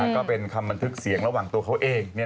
ก็เป็นคำบันทึกเสียงระหว่างตัวเขาเอง